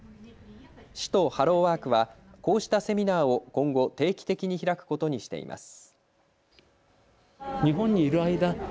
市とハローワークはこうしたセミナーを今後、定期的に開くことにしています。